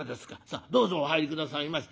さあどうぞお入り下さいまし。